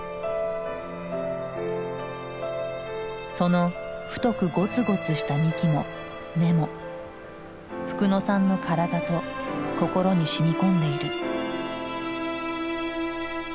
その太くゴツゴツした幹も根もフクノさんの体と心にしみこんでいる。